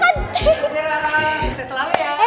terima kasih rara